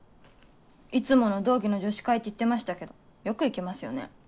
いつもの同期の女子会って言ってましたけどよく行けますよね。